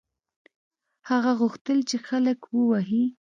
هغې غوښتل چې خلک ووهي.